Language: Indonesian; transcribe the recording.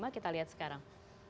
kita lihat sekarang